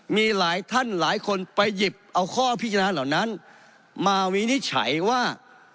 มีหลายท่านหลายคนไปหยิบเอาข้อพิจารณาเหล่านั้นมาวินิจฉัยว่า